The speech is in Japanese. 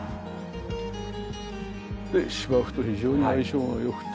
で芝生と非常に相性が良くて。